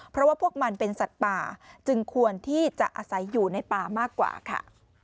เพราะว่าพวกมันเป็นสัตว์ป่าจึงควรที่จะอาศัยอยู่ในป่ามากกว่าค่ะ